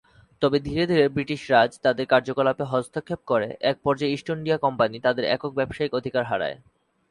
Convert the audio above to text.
তবে ধীরে ধীরে ব্রিটিশ রাজ তাদের কার্যকলাপ-এ হস্তক্ষেপ করে, এক পর্যায়ে ইষ্ট ইন্ডিয়া কোম্পানী তাদের একক ব্যবসায়িক অধিকার হারায়।